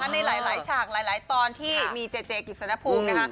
ในหลายฉากหลายตอนที่มีเจเจกิจสนภูมินะคะ